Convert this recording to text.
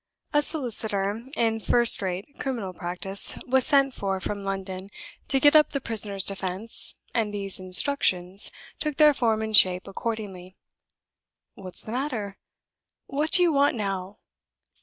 A solicitor in first rate criminal practice was sent for from London to get up the prisoner's defense, and these 'Instructions' took their form and shape accordingly. What's the matter? What do you want now?"